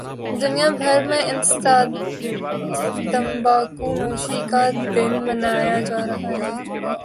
دنیا بھر میں انسداد تمباکو نوشی کا دن منایا جارہاہے